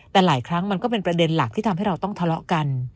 แต่หลายครั้งมันก็เป็นประเด็นหลักที่ทำให้เราต้องทะเลาะกัน